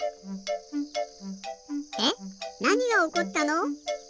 なにがおこったの？